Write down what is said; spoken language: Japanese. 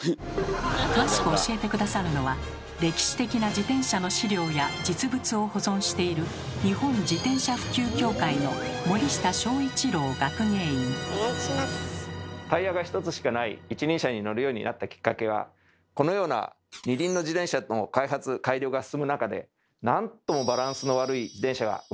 詳しく教えて下さるのは歴史的な自転車の資料や実物を保存している日本自転車普及協会のタイヤが１つしかない一輪車に乗るようになったきっかけはこのような二輪の自転車の開発改良が進む中でなんともバランスの悪い自転車が生まれたからなんです。